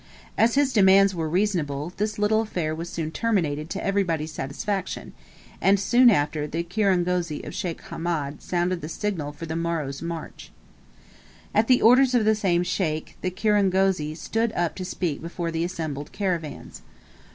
As his demands were so reasonable, this little affair was soon terminated to everybody's satisfaction; and soon after, the kirangozi of Sheikh Hamed sounded the signal for the morrow's march. At the orders of the same Sheikh, the kirangozi stood up to speak before the assembled caravans.